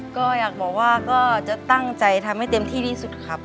ก็อยากบอกว่าก็จะตั้งใจทำให้เต็มที่ที่สุดครับ